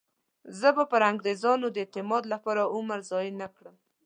زه به پر انګریزانو د اعتماد لپاره عمر ضایع نه کړم.